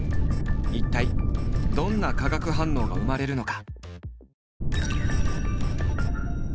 一体どんな化学反応が生まれるのか？